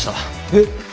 えっ？